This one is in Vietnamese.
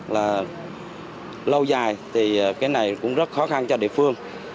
là lâu dài thì cái này cũng rất khó khăn cho địa phương